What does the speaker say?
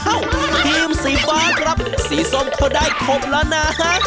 ทีมสีฟ้าครับสีส้มเขาได้ครบแล้วนะ